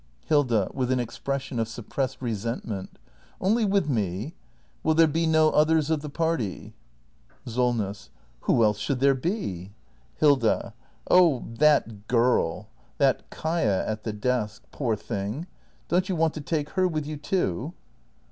Hilda. [With an expression of suppressed resentment.] Only with me ? Will there be no others of the party ? SOLNESS. Who else should there be ? Hilda. Oh — that girl — that Kaia at the desk. Poor thing — don't you want to take her with you too